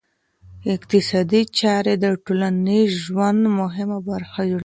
اقتصادي چاري د ټولنیز ژوند مهمه برخه جوړوي.